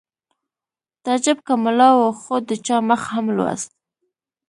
تعجب که ملا و خو د چا مخ هم لوست